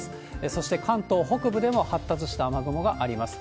そして関東北部でも発達した雨雲があります。